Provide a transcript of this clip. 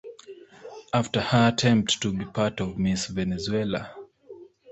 After her attempt to be part of Miss Venezuela.